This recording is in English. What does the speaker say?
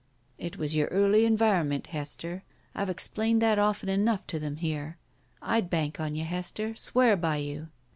"It was your early environment, Hester. I've explained that often enough to them here. I'd bank on you, Hester — swear by you."